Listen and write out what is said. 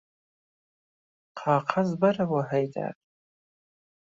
قاقەز بەره بۆ ههيدەر